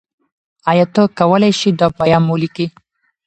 آیا ته کولای شې دا پیغام ولیکې؟